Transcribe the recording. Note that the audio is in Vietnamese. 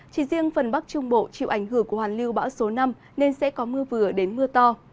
chỉ riêng phần bắc trung bộ chịu ảnh hưởng của hoàn lưu bão số năm nên sẽ có mưa vừa đến mưa to